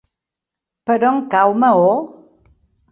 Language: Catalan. Per on cau Maó?